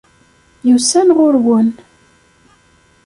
Yusa-n ɣurwen.